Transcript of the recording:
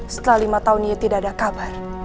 setelah lima tahun ia tidak ada kabar